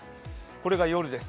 これが夜です。